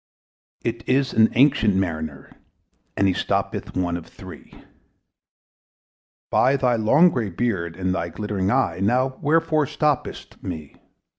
It is an ancient Mariner, And he stoppeth one of three. "By thy long grey beard and glittering eye, Now wherefore stopp'st thou me?